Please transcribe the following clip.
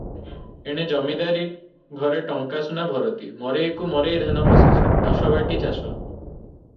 ଏଣେ ଜମିଦାରୀ - ଘରେ ଟଙ୍କା ସୁନା ଭରତି, ମରେଇକୁ ମରେଇ ଧାନ ବସିଛି, ଦଶ ବାଟି ଚାଷ ।